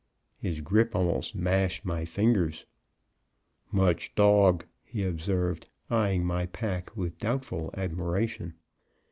His grip almost mashed my fingers. "Much dog," he observed, eyeing my pack with doubtful admiration.